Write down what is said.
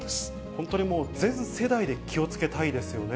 本当にもう、全世代で気をつけたいですよね。